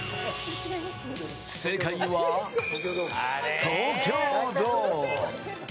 正解は東京ドーム！